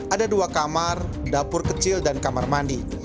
ada dua kamar dapur kecil dan kamar mandi